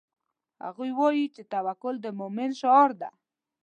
هغوی وایي چې توکل د مومن شعار ده